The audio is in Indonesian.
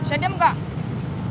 bisa diam gak